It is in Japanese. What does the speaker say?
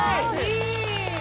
いい！